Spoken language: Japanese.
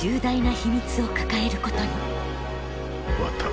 終わった。